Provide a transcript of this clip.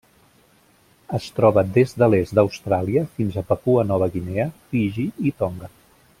Es troba des de l'est d'Austràlia fins a Papua Nova Guinea, Fiji i Tonga.